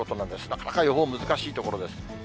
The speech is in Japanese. なかなか予報難しいところです。